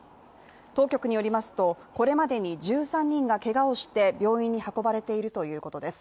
当局によりますと、これまでに１３人がけがをして病院に運ばれているということです。